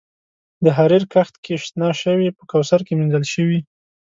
د حریر کښت کې شنه شوي په کوثر کې مینځل شوي